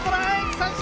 三振！